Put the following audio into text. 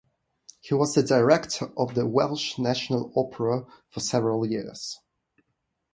He was the director of the Welsh National Opera for several years.